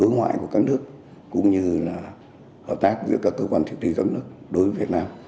ngoại của các nước cũng như là hợp tác giữa các cơ quan thực thi tấm nước đối với việt nam